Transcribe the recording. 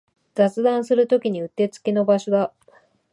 雑談するときにうってつけの場所だ